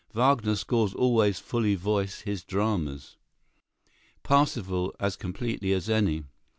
Wagner's scores always fully voice his dramas,—"Parsifal" as completely as any.